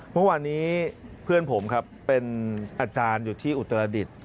เมื่อวานนี้เพื่อนผมครับเป็นอาจารย์อยู่ที่อุตรดิษฐ์